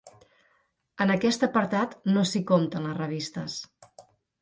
En aquest apartat no s'hi compten les revistes.